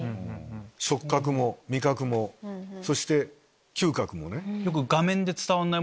触覚も味覚もそして嗅覚もね。